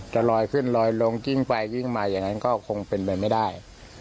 จะลอยขึ้นลอยลงกิ้งไปกิ้งมาอย่างนั้นก็คงเป็นไปไม่ได้